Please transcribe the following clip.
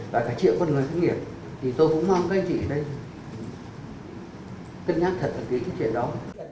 và cả triệu con người doanh nghiệp thì tôi cũng mong các anh chị đây cân nhắc thật về cái chuyện đó